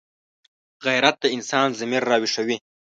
غیرت د انسان ضمیر راویښوي